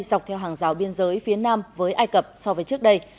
dọc theo hàng rào biên giới phía nam với ai cập so với trước đây